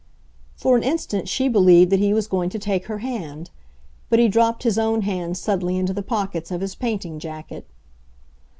For an instant she believed that he was going to take her hand; but he dropped his own hands suddenly into the pockets of his painting jacket.